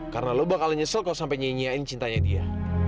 karena lu bakal nyesel kau sampai nyinyiain cintanya dia